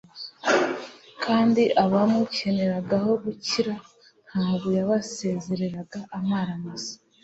kandi abamukeneragaho gukira ntabwo yabasezereraga amara masa.